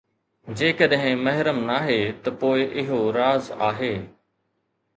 جيڪڏهن محرم ناهي ته پوءِ اهو راز آهي